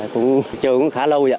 chờ cũng khá lâu